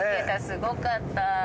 すごかった。